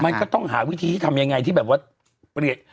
มันก็ต้องหาวิธีทำยังไงที่แบบว่า